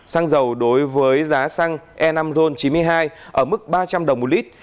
xăng dầu đối với giá xăng e năm ron chín mươi hai ở mức ba trăm linh đồng một lít